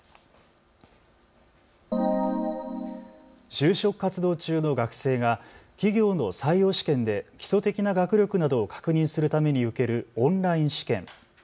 就職活動中の学生が企業の採用試験で基礎的な学力などを確認するために受けるオンライン試験。